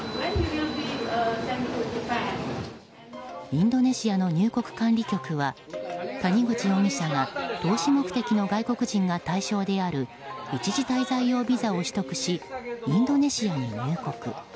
インドネシアの入国管理局は谷口容疑者が投資目的の外国人が対象である一時滞在用ビザを取得しインドネシアに入国。